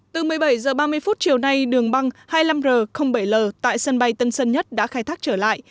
từ một mươi bảy h ba mươi chiều nay đường băng hai mươi năm r bảy l tại sân bay tân sơn nhất đã khai thác trở lại